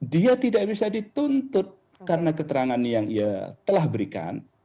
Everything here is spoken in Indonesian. dia tidak bisa dituntut karena keterangan yang ia telah berikan